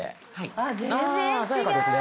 あ鮮やかですね。